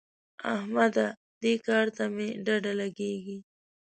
احمده! دې کار ته مې ډډه لګېږي.